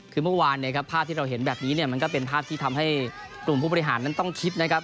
คือเมื่อวานเนี่ยครับภาพที่เราเห็นแบบนี้เนี่ยมันก็เป็นภาพที่ทำให้กลุ่มผู้บริหารนั้นต้องคิดนะครับ